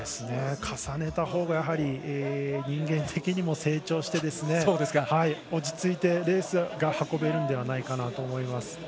重ねたほうが、やはり人間的にも成長して落ち着いてレースが運べるのではないかと思います。